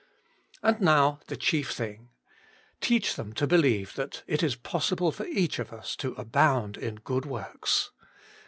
And now the chief thing. Teach them to believe that it is possible for each of us to abound in good zvorks.